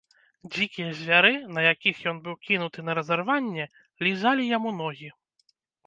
Дзікія звяры, на якіх ён быў кінуты на разарванне, лізалі яму ногі.